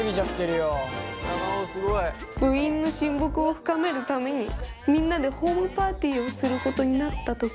部員の親睦を深めるためにみんなでホームパーティーをすることになった時。